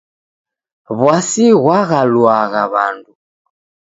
W'asi ghwaghaluagha w'andu.